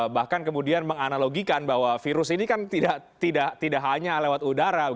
bahkan kemudian menganalogikan bahwa virus ini kan tidak hanya lewat udara